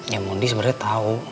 ya maudy sebenernya tau